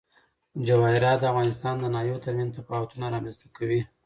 جواهرات د افغانستان د ناحیو ترمنځ تفاوتونه رامنځ ته کوي.